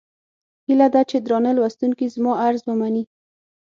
هيله ده چې درانه لوستونکي زما عرض ومني.